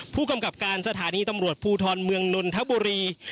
ผู้กำกับการสถานีตำรวจภูทรเมืองนนทบุรี